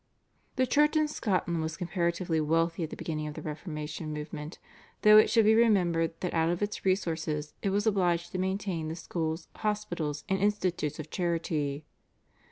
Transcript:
The Church in Scotland was comparatively wealthy at the beginning of the Reformation movement, though it should be remembered that out of its resources it was obliged to maintain the schools, hospitals, and institutes of charity.